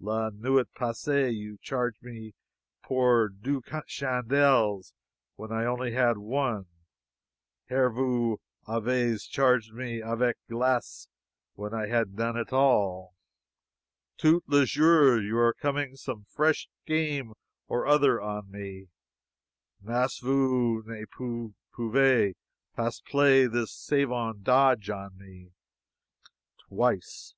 La nuit passee you charged me pour deux chandelles when I only had one; hier vous avez charged me avec glace when I had none at all; tout les jours you are coming some fresh game or other on me, mais vous ne pouvez pas play this savon dodge on me twice.